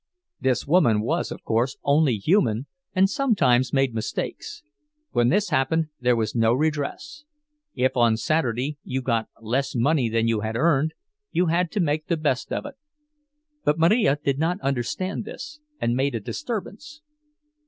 This woman was, of course, only human, and sometimes made mistakes; when this happened, there was no redress—if on Saturday you got less money than you had earned, you had to make the best of it. But Marija did not understand this, and made a disturbance.